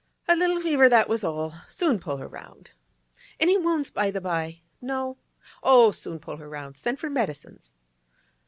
'A little fever, that was all—soon pull her round. Any wounds, by the by? No? Oh, soon pull her round. Send for medicines.